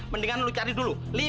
mendingan lu cari dulu